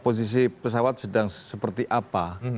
posisi pesawat sedang seperti apa